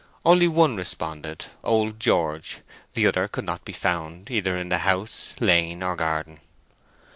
Only one responded—old George; the other could not be found, either in the house, lane, or garden.